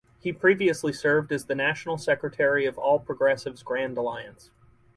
He previously served as the national secretary of All Progressives Grand Alliance.